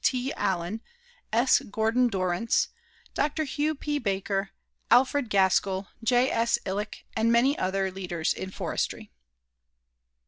T. ALLEN, S. GORDON DORRANCE, DR. HUGH P. BAKER, ALFRED GASKILL, J.S. ILLICK, AND MANY OTHER LEADERS IN FORESTRY.